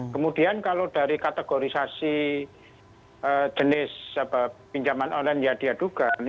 kemudian kalau dari kategorisasi jenis pinjaman online yang diadukan